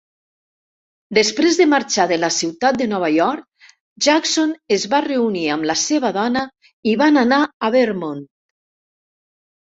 Després de marxar de la ciutat de Nova York, Jackson es va reunir amb la seva dona i van anar a Vermont.